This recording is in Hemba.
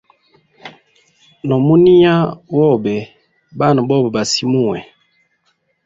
No muniya wobe bana bobe ba simuwe.